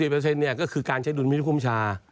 ๖๐เปอร์เซ็นต์เนี่ยก็คือการใช้ดุลมิถุคุมชา